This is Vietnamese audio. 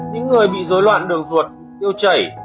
những người bị dối loạn đường ruột yêu chảy